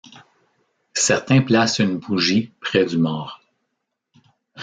Certains placent une bougie près du mort.